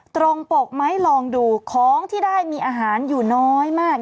ตรงปกไหมลองดูของที่ได้มีอาหารอยู่น้อยมาก